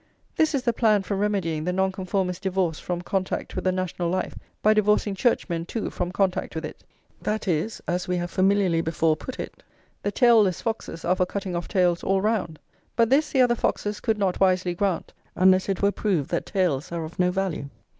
This is the plan for remedying the Nonconformists' divorce from contact with the national life by divorcing churchmen too from contact with it; that is, as we have familiarly before put it, the tailless foxes are for cutting off tails all round. But this the other foxes could not wisely grant, unless it were proved that tails are of no value.